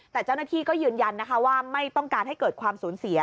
แต่เจ้าหน้าที่ก็ยืนยันนะคะว่าไม่ต้องการให้เกิดความสูญเสีย